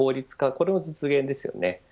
これの実現ですよね。